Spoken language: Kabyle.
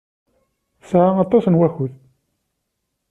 Tesɛa aṭas n wakud.